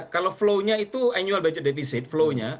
kalau flow nya itu annual budget deficit flow nya